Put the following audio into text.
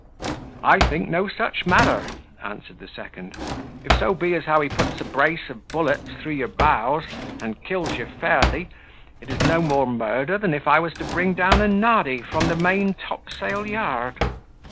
"I think no such matter," answered the second; "if so be as how he puts a brace of bullets through your bows, and kills you fairly, it is no more murder than if I was to bring down a noddy from the main top sail yard."